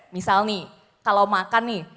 misal nih kalau makan nih